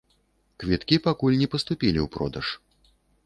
Квіткі пакуль не паступілі ў продаж.